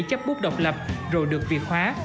chấp bút độc lập rồi được việc hóa